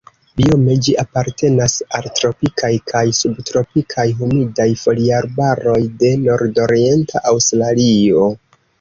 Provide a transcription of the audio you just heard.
Biome ĝi apartenas al tropikaj kaj subtropikaj humidaj foliarbaroj de nordorienta Aŭstralio.